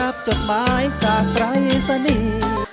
เพื่อจะไปชิงรางวัลเงินล้าน